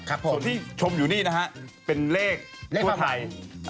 ส่วนที่ชมอยู่นี่นะฮะเป็นเลขทั่วไทย